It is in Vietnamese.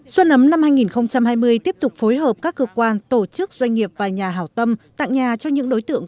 xuân ấm năm hai nghìn hai mươi tiếp tục phối hợp các cơ quan tổ chức doanh nghiệp và nhà hảo tâm tặng nhà cho những đối tượng